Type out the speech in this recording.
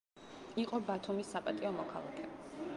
იყო ბათუმის საპატიო მოქალაქე.